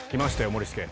モリスケ